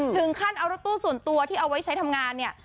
ถึงขั้นเอารถตู้ส่วนตัวที่เอาไว้ใช้ทำงานเนี่ย